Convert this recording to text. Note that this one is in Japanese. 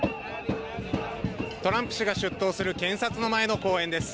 トランプ氏が出頭する、検察の前の公園です。